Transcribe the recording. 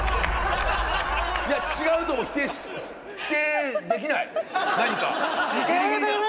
いや違うとも否定できない何か。